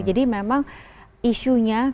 jadi memang isunya